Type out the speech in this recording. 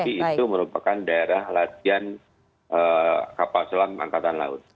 tapi itu merupakan daerah latihan kapal selam angkatan laut